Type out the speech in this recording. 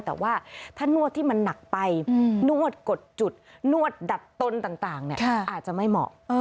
แต่ว่าถ้านวดที่มันหนักไปนวดกดจุดนวดดัดตนต่างอาจจะไม่เหมาะ